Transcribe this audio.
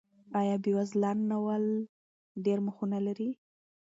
آیا بېوزلان ناول ډېر مخونه لري؟